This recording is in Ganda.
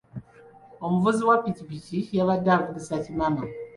Omuvuzi wa ppikipiki yabadde avugisa kimama.